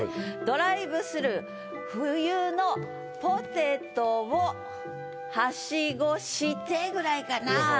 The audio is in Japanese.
「ドライブスルー冬のポテトをはしごして」ぐらいかなぁ。